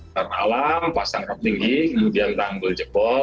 karena alam pasang kap tinggi kemudian tangguh jebol